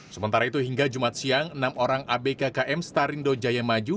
sementara itu hingga jumat siang enam orang abk km starindo jaya maju